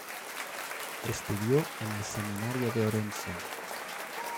Estudió en el seminario de Orense.